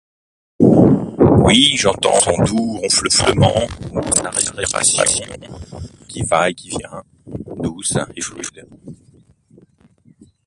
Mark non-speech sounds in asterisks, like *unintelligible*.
Oui, j'entends son doux ronronflement sa *unintelligible* qui va et qui vient *unintelligible*